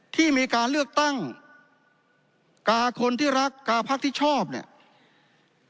ที่มีการเลือกตั้งกาคนที่รักกาพักที่ชอบเนี่ย